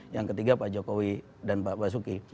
yang ketiga pak jokowi dan pak basuki